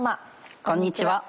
こんにちは。